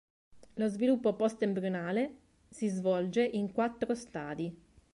Lo sviluppo postembrionale si svolge in quattro stadi.